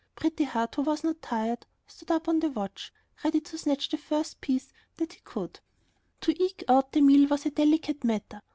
Pretty Heart, who was not tired, stood up on the watch, ready to snatch the first piece that he could. To eke out the meal was a delicate matter.